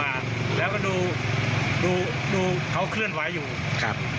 แกก็ห้อยตัวมาแล้วก็ดูดูเขาเคลื่อนไหวอยู่ครับ